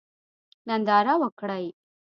ننداره وکړئ.